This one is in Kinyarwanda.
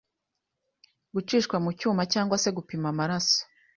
gucishwa mu cyuma cg se gupima amaraso